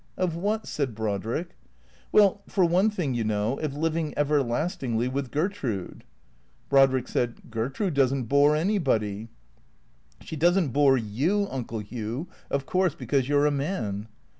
"Of what? "said Brodrick. " Well, for one thing, you know, of living everlastingly with Gertrude." Brodrick said, " Gertrude does n't bore anybody." " She does n't bore you, Uncle Hugh, of course, because you 're a man."